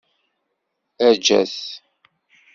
Ajjat!